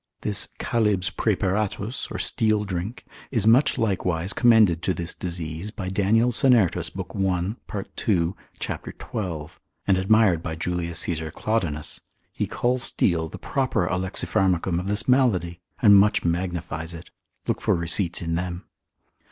This Chalybs praeparatus, or steel drink, is much likewise commended to this disease by Daniel Sennertus l. 1. part. 2. cap. 12. and admired by J. Caesar Claudinus Respons. 29. he calls steel the proper alexipharmacum of this malady, and much magnifies it; look for receipts in them.